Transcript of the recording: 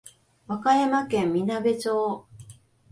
和歌山県みなべ町